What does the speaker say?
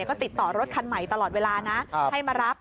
ก็ติดต่อรถคันใหม่ตลอดเวลานะให้มารับ